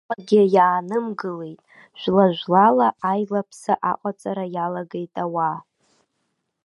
Уаҟагьы иаанымгылеит, жәла-жәлала аилаԥса аҟаҵара иалагеит ауаа.